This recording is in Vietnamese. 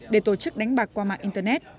để tổ chức đánh bạc qua mạng internet